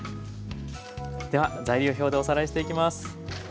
では材料表でおさらいしていきます。